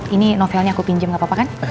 ini novelnya aku pinjem gapapa kan